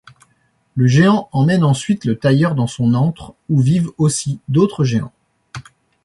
Le géant emmène ensuite le tailleur dans son antre, où vivent aussi d'autres géants.